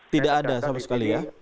tidak ada sama sekali ya